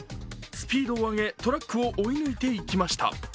スピードを上げ、トラックを追い抜いていきました。